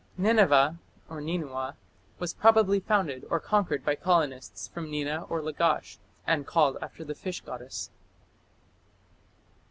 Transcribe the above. Nineveh (Ninua) was probably founded or conquered by colonists from Nina or Lagash, and called after the fish goddess.